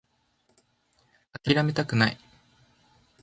諦めたくない